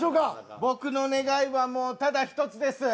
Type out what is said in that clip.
僕の願いはただ１つです。